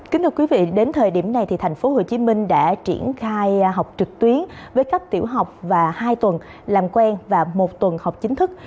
kính thưa quý vị đến thời điểm này thành phố hồ chí minh đã triển khai học trực tuyến với cấp tiểu học và hai tuần làm quen và một tuần học chính thức